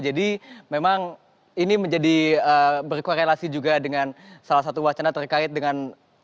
jadi memang ini menjadi berkorelasi juga dengan salah satu wacana terkait dengan